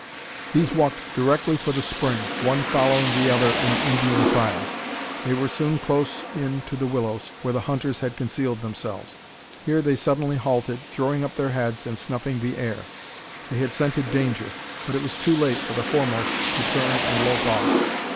These walked directly for the spring, one following the other in Indian file. They were soon close in to the willows where the hunters had concealed themselves. Here they suddenly halted, throwing up their heads and snuffing the air. They had scented danger, but it was too late for the foremost to turn and lope off.